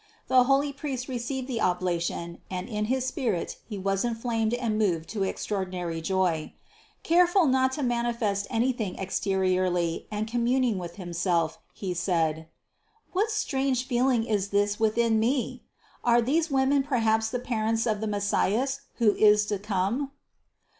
The holy priest received the oblation and in his spirit he was in flamed and moved to extraordinary joy. Careful not to manifest anything exteriorly and communing with him self, he said; "What strange feeling is this within me? Are these women perhaps the parents of the Messias, who is to come?"